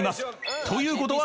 ［ということは］